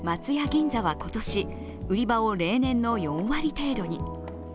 銀座は今年、売り場を例年の４割程度に。